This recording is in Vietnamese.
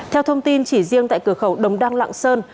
theo thông tin chỉ riêng tại cửa khẩu đồng đăng lạng sơn